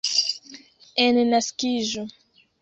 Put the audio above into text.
Ensakiĝu